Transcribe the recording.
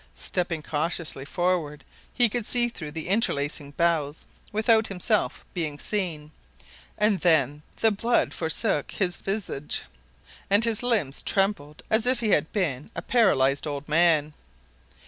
Stepping cautiously forward, he could see through the interlacing boughs without himself being seen; and then the blood forsook his visage, and his limbs trembled as if he had been a paralysed old man.